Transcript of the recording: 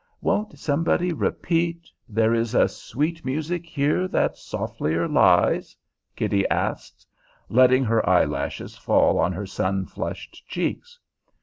"Won't somebody repeat 'There is sweet music here that softlier lies?'" Kitty asks, letting her eyelashes fall on her sun flushed cheeks.